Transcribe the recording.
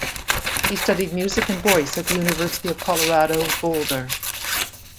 He studied music and voice at the University of Colorado Boulder.